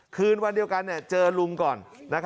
คืนวันเดียวกันเจอลุงก่อน